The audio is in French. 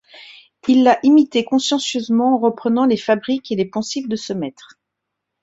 Il l'a imité consciencieusement en reprenant les fabriques et les poncifs de ce maître.